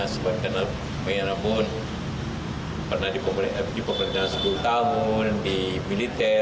sebab karena pengira pun pernah di pemerintahan sepuluh tahun di militer